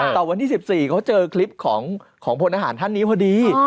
แต่วันที่๑๔เขาเจอคลิปของพลทหารท่านนี้พอดี